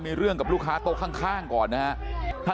มีเรื่องกับลูกค้าโต๊ะข้างก่อนนะครับ